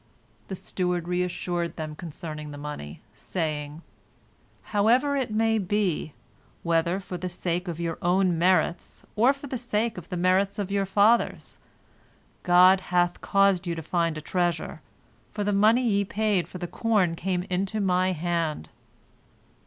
The steward reassured them concerning the money, saying, "However it may be, whether for the sake of your own merits, or for the sake of the merits of your fathers, God hath caused you to find a treasure, for the money ye paid for the corn came into my hand."